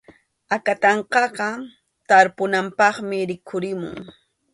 Akatanqaqa tarpunapaqmi rikhurimun.